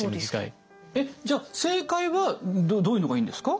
えっじゃあ正解はどういうのがいいんですか？